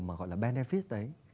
mà gọi là benefit ấy